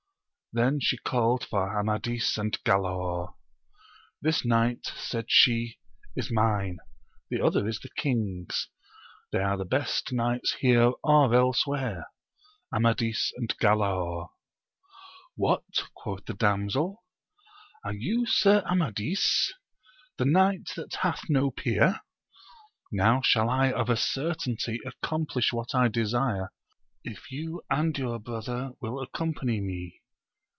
Then she called for Amadis and Galaor : this knight, said she, is mine ; the other is the king's; they are the best knights here or else where, Amadis and Galaor. What ! quoth the damsel? are you Sir Amadis? the knight that hath no peer? now shall I of a certainty accomplish what I desire, if you and your brother will accompany me.